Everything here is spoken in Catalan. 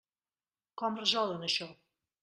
Com resolen això?